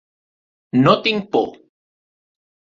No tinc por.